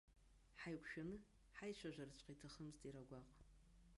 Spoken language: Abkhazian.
Ҳаиқәшәаны, ҳаицәажәараҵәҟьа иҭахымызт иара гәаҟ.